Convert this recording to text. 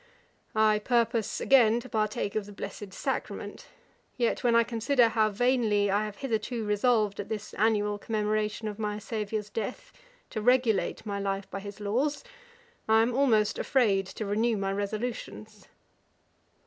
'I purpose again to partake of the blessed sacrament; yet when I consider how vainly I have hitherto resolved at this annual commemoration of my Saviour's death, to regulate my life by his laws, I am almost afraid to renew my resolutions.'